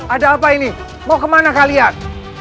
ada apa ini mau kemana kalian